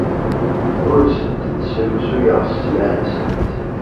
Ur asent-d-srusuyeɣ sselɛa-nsent.